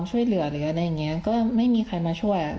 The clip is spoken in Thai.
มีแต่เสียงตุ๊กแก่กลางคืนไม่กล้าเข้าห้องน้ำด้วยซ้ำ